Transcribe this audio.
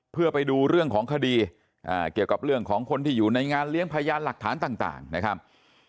เพื่อไปดูเรื่องของคดีเกี่ยวกับเรื่องของคนที่อยู่ในงานเลี้ยงพยานหลักฐานต่างนะครับ